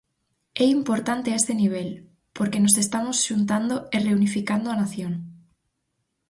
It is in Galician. É importante a ese nivel, porque nos estamos xuntando e reunificando a Nación.